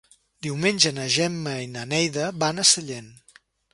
Diumenge na Gemma i na Neida van a Sallent.